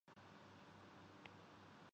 قبائلی